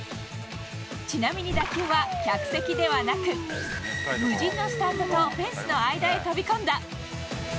ちなみに打球は、客席ではなく、無人のスタンドとフェンスの間へ飛び込んだ。